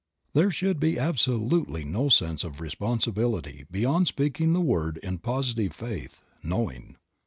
There should be absolutely no sense of responsibility beyond speaking the word in positive faith, knowing.